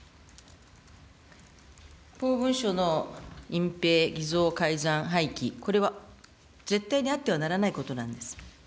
公文書の隠ぺい、偽造、改ざん、廃棄、これは絶対にあってはならないことなんです。